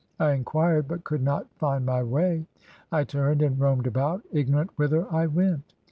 I inquired, but could not find my way. I turned and roamed about, ignorant whither I went.